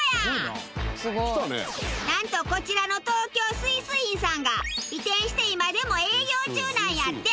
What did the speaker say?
なんとこちらの東京スイスインさんが移転して今でも営業中なんやって。